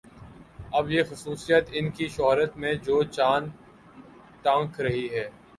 اب یہ خصوصیت ان کی شہرت میں جو چاند ٹانک رہی ہے